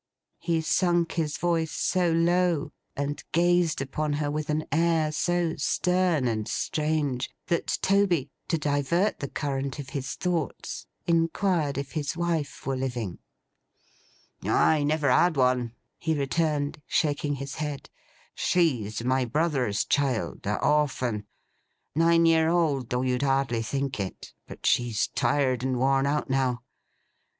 He sunk his voice so low, and gazed upon her with an air so stern and strange, that Toby, to divert the current of his thoughts, inquired if his wife were living. 'I never had one,' he returned, shaking his head. 'She's my brother's child: a orphan. Nine year old, though you'd hardly think it; but she's tired and worn out now.